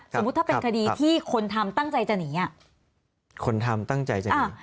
สมมุติถ้าเป็นคดีที่คนทำตั้งใจจะหนีอ่ะคนทำตั้งใจจะหนี